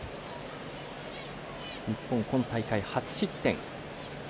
日本、今大会、初失点。